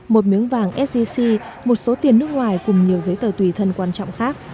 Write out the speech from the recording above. một miếng vàng sgc một số tiền nước ngoài cùng nhiều giấy tờ tùy thân quan trọng khác